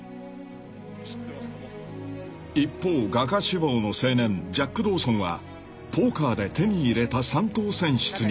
［一方画家志望の青年ジャック・ドーソンはポーカーで手に入れた三等船室に］